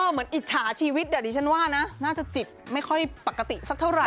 เหมือนอิจฉาชีวิตแบบนี้ฉันว่านะน่าจะจิตไม่ค่อยปกติสักเท่าไร